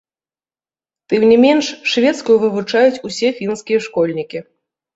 Тым не менш, шведскую вывучаюць усе фінскія школьнікі.